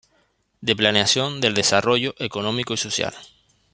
De Planeación del Desarrollo Económico y Social.